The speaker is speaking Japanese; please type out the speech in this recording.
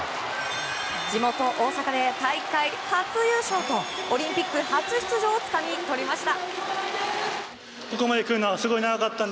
地元・大阪で大会初優勝とオリンピック初出場をつかみ取りました。